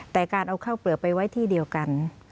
แต่การเอาข้าวเปลือกไปไว้ที่เดียวกัน